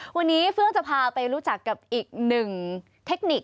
วันนี้เฟื่องจะพาไปรู้จักกับอีกหนึ่งเทคนิค